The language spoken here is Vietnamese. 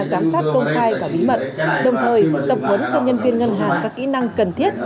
giám sát công khai và bí mật đồng thời tập huấn cho nhân viên ngân hàng các kỹ năng cần thiết